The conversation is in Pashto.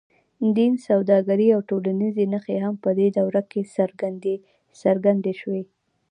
دین، سوداګري او ټولنیزې نښې هم په دې دوره کې څرګندې شوې.